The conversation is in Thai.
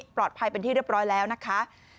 ปลอดภัยเป็นที่เรียบร้อยแล้วนะคะ